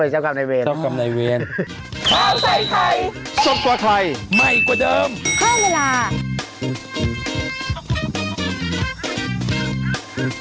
เจ้ากรรมนายเวรเหรอ